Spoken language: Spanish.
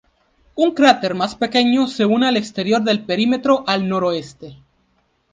Un cráter más pequeño se une al exterior del perímetro al noroeste.